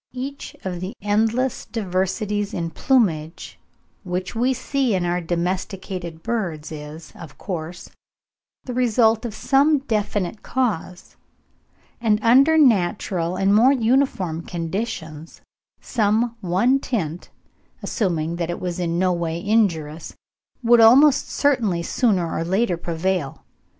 Each of the endless diversities in plumage which we see in our domesticated birds is, of course, the result of some definite cause; and under natural and more uniform conditions, some one tint, assuming that it was in no way injurious, would almost certainly sooner or later prevail.